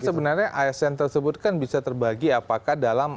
sebenarnya asn tersebut kan bisa terbagi apakah dalam